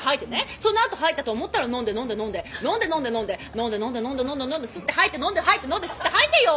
そのあと吐いたと思ったら飲んで飲んで飲んで飲んで飲んで飲んで飲んで飲んで吸って吐いて飲んで吐いて飲んで吸って吐いてよ！